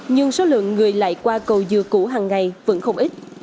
nhưng số lượng người lại qua cầu dừa cũ hằng ngày vẫn không ít